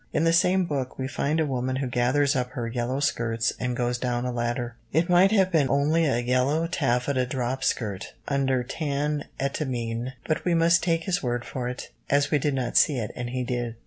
In the same book, we find a woman who gathers up her "yellow skirts" and goes down a ladder. It might have been only a yellow taffeta drop skirt under tan etamine, but we must take his word for it, as we did not see it and he did.